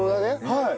はい。